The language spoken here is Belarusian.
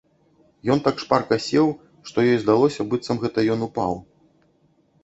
Ён так шпарка сеў, што ёй здалося, быццам гэта ён упаў.